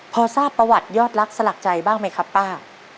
พอทราบประวัติยอดรักสลักใจบ้างไหมครับป้า